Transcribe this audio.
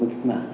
với các mạng